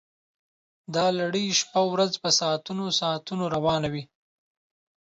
دا لړۍ شپه ورځ په ساعتونو ساعتونو روانه وي